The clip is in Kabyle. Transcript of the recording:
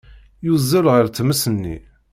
Yuzzel ɣer tmes-nni.